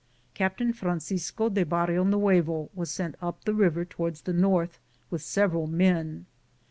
Captain Francisco da Bar rionuevo was sent up the river toward the north with several men.